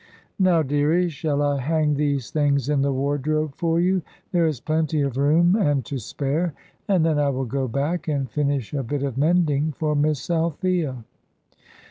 Now, dearie, shall I hang these things in the wardrobe for you there is plenty of room and to spare. And then I will go back, and finish a bit of mending for Miss Althea."